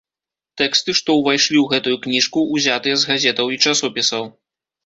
Тэксты, што ўвайшлі ў гэтую кніжку, узятыя з газетаў і часопісаў.